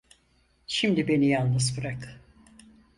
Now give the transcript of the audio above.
Şimdi beni yalnız bırak.